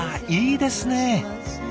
いいですね！